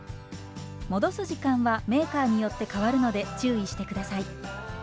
戻す時間はメーカーによって変わるので注意して下さい。